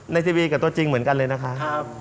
ทีวีกับตัวจริงเหมือนกันเลยนะคะ